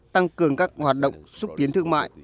tăng cường các hoạt động xúc tiến thương mại